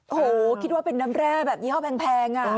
โอ้โหคิดว่าเป็นน้ำแร่แบบยี่ห้อแพง